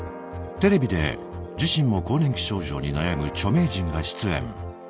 テレビで自身も更年期症状に悩む著名人が出演。